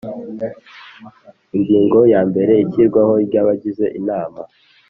Ingingo ya mbere Ishyirwaho ry abagize inama